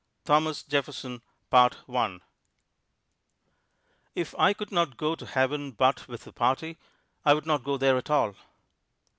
THOMAS JEFFERSON If I could not go to Heaven but with a Party, I would not go there at all.